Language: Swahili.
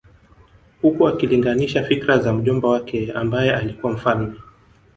Huku akilinganisha fikra za mjomba wake ambaye alikuwa mfalme